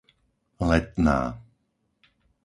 Letná